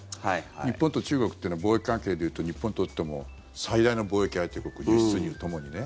日本と中国っていうのは貿易関係でいうと日本とっても最大の貿易相手国輸出入ともにね。